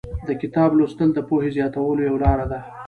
د کتاب لوستل د پوهې زیاتولو یوه لاره ده.